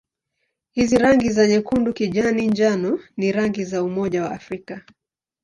Hizi rangi za nyekundu-kijani-njano ni rangi za Umoja wa Afrika.